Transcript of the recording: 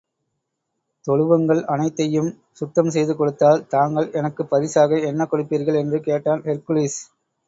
தொழுவங்கள் அனைத்தையும் சுத்தம் செய்து கொடுத்தால், தாங்கள் எனக்குப் பரிசாக என்ன கொடுப்பீர்கள் என்று கேட்டான் ஹெர்க்குலிஸ்.